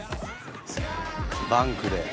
バンクで。